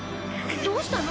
どうしたの？